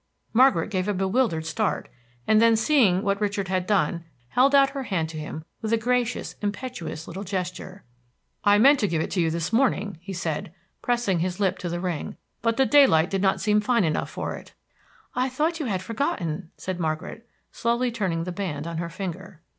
Margaret gave a bewildered start, and then seeing what Richard had done held out her hand to him with a gracious, impetuous little gesture. "I meant to give it you this morning," he said, pressing his lip to the ring, "but the daylight did not seem fine enough for it." "I thought you had forgotten," said Margaret, slowly turning the band on her finger.